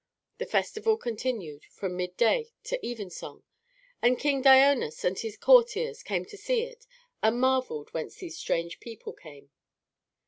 The festival continued from mid day to even song; and King Dionas and his courtiers came out to see it, and marvelled whence these strange people came.